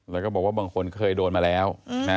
แล้วก็บอกว่าบางคนเคยโดนมาแล้ว